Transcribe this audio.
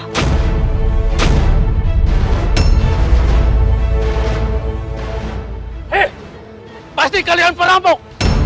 hei pasti kalian merampok